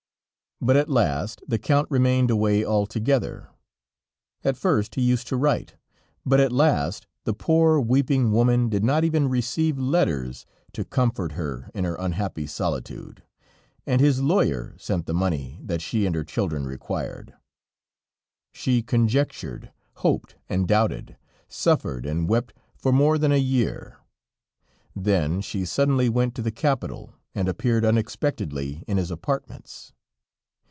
But at last the Count remained away altogether; at first he used to write, but at last the poor, weeping woman did not even receive letters to comfort her in her unhappy solitude, and his lawyer sent the money that she and her children required. She conjectured, hoped and doubted, suffered and wept for more than a year; then she suddenly went to the capital and appeared unexpectedly in his apartments.